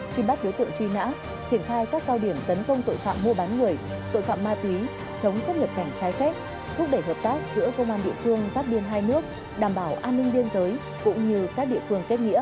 truy bắt đối tượng truy nã triển khai các cao điểm tấn công tội phạm mua bán người tội phạm ma túy chống xuất nhập cảnh trái phép thúc đẩy hợp tác giữa công an địa phương giáp biên hai nước đảm bảo an ninh biên giới cũng như các địa phương kết nghĩa